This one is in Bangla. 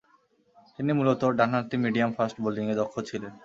তিনি মূলতঃ ডানহাতি মিডিয়াম-ফাস্ট বোলিংয়ে দক্ষ ছিলেন।